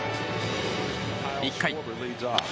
１回。